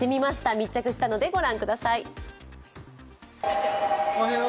密着したので御覧ください。